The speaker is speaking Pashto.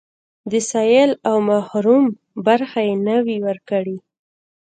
د سايل او محروم برخه يې نه وي ورکړې.